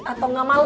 atau ga malu